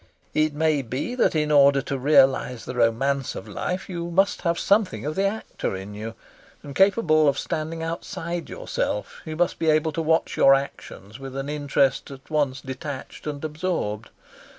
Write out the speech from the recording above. It may be that in order to realise the romance of life you must have something of the actor in you; and, capable of standing outside yourself, you must be able to watch your actions with an interest at once detached and absorbed.